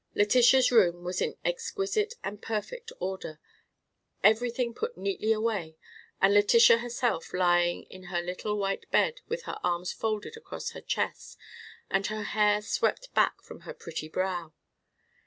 Letitia's room was in exquisite and perfect order, everything put neatly away, and Letitia herself lying in her little white bed with her arms folded across her chest and her hair swept back from her pretty brow.